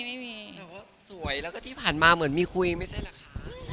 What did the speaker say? ไม่มีแต่ว่าสวยแล้วก็ที่ผ่านมาเหมือนมีคุยไม่ใช่เหรอคะ